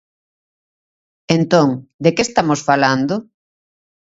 Entón ¿de que estamos falando?